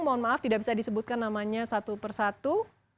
mohon maaf tidak bisa disebutkan namanya satu persatu